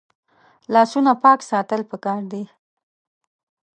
لاسونه پاک ساتل پکار دي